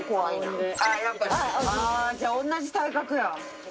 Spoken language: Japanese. じゃあ同じ体格や。